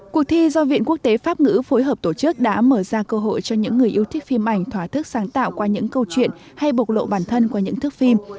cuộc thi do viện quốc tế pháp ngữ phối hợp tổ chức đã mở ra cơ hội cho những người yêu thích phim ảnh thỏa thức sáng tạo qua những câu chuyện hay bộc lộ bản thân qua những thức phim